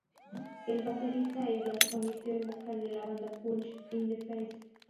El baterista Ebro se convirtió en vocal de la banda Punch in the Face..